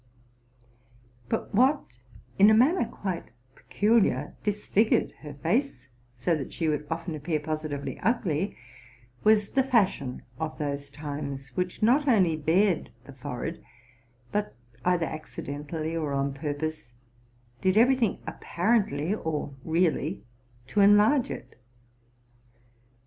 But what in a manner quite peculiar disfigured her face, so that she would often appear positively ugly, was the fashion of those times, which not only bared the forehead, but, either accidentally or on purpose, did every thing ap parently or really to enlarge it.